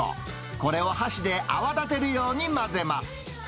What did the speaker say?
これを箸で泡立てるように混ぜます。